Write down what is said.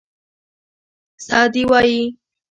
سعدي وایي.